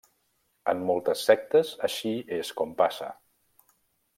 En moltes sectes així és com passa.